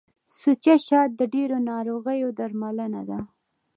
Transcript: سوچه شات د ډیرو ناروغیو درملنه ده.